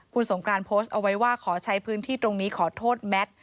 คุณสงกรานโพสต์เอาไว้ว่าขอใช้พื้นที่ตรงนี้ขอโทษแมท